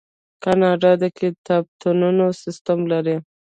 کاناډا د کتابتونونو سیستم لري.